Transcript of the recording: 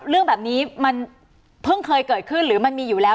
เรื่องแบบนี้มันเพิ่งเคยเกิดขึ้นหรือมันมีอยู่แล้ว